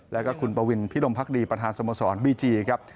แล้วก็คุณปวินพิรมพักดีประธานสโมสรบีจีครับ